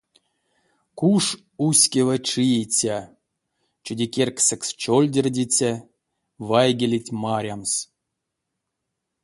Куш уськева чииця, чудикерьксэкс чольдердиця вайгелеть марямс.